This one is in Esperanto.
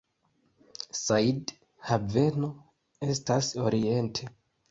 Said Haveno estas oriente.